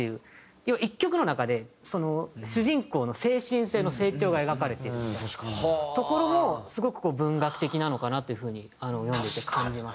要は１曲の中で主人公の精神性の成長が描かれているみたいなところもすごく文学的なのかなという風に読んでて感じました。